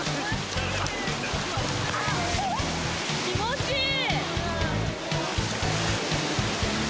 気持ちいい。